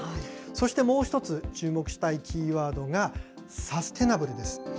そしてもう一つ、注目したいキーワードが、サステナブルです。